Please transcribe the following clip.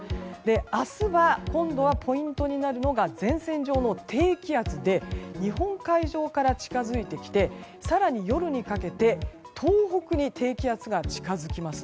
明日は今度、ポイントになるのが前線上の低気圧で日本海上から近づいてきて更に、夜にかけて東北に低気圧が近づきます。